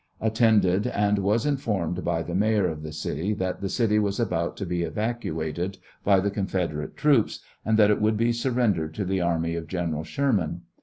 Attended, and was informed by the Mayor of the city that the city was about to be evacuated by the Confederate troops, and that it would be surrendered to the army of Gen. Sherman.